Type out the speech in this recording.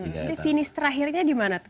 jadi finish terakhirnya di mana pak